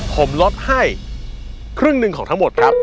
ผมลดให้ครึ่งหนึ่งของทั้งหมดครับ